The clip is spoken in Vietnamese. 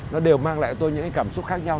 nó đều mang lại cho tôi những cảm xúc khác nhau